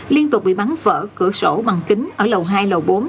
liên tục bị bắn phở cửa sổ bằng kính ở lầu hai lầu bốn